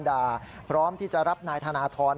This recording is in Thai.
พร้อมที่จะรับนายธนทร